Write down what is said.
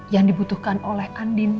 yang dibutuhkan oleh andin